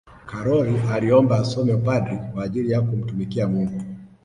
karol aliomba asome upadri kwa ajili ya kumtumikia mungu